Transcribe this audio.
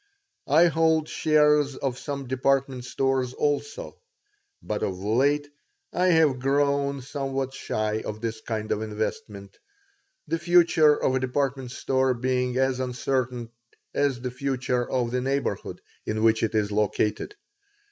I hold shares of some department stores also, but of late I have grown somewhat shy of this kind of investment, the future of a department store being as uncertain as the future of the neighborhood in which it is located.